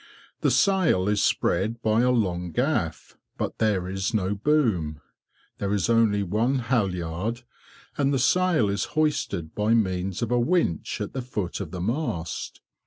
The sail is spread by a long gaff, but there is no boom. There is only one halyard, and the sail is hoisted by means of a winch at the foot of the mast.